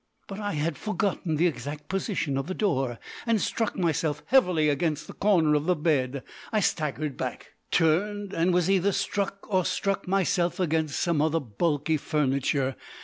But I had forgotten the exact position of the door, and struck myself heavily against the corner of the bed. I staggered back, turned, and was either struck or struck myself against some other bulky furniture.